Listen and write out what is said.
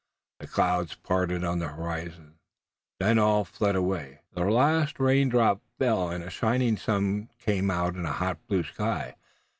The clouds parted on the horizon, then all fled away. The last raindrop fell and a shining sun came out in a hot blue sky.